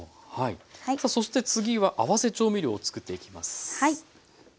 さあそして次は合わせ調味料を作っていきます。